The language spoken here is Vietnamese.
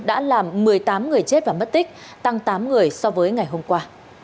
đã làm một mươi tám người chết và mất tích tăng tám người so với ngày hôm qua